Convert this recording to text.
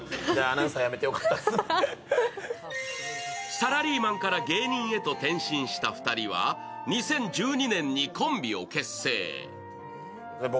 サラリーマンから芸人へと転身した２人は２０１２年にコンビを結成。